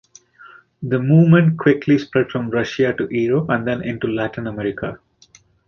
The Movement quickly spread from Russia to Europe and then into Latin America.